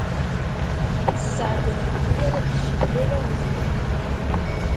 Sseɛd d anyir, cedda d awzir.